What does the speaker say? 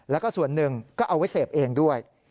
แล้วก็ส่วนหนึ่งก็เอาไว้เสพเองด้วย